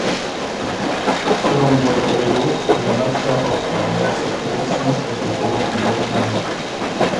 Selon Gualterio, la Mafia offrait alors sa protection aux opposants du gouvernement.